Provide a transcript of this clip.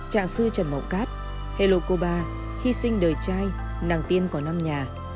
trạng sư trần màu cát hello cô ba hy sinh đời trai nàng tiên có năm nhà